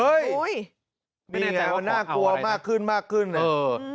เฮ้ยไม่แน่ใจว่าขอเอาอะไรนะน่ากลัวมากขึ้นน่ะ